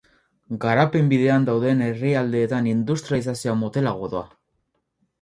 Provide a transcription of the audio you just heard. Garapen bidean dauden herrialdeetan industrializazioa motelago doa.